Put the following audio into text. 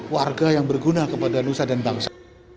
warga yang berguna kepada nusa dan bangsa